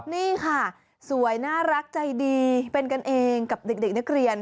นี่ค่ะสวยน่ารักใจดีเป็นกันเองกับเด็กนักเรียน